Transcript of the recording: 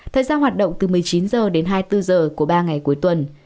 thời gian hoạt động từ một mươi chín h đến hai mươi bốn h của ba ngày cuối tuần